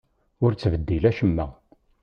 Ur ttbeddil acemma!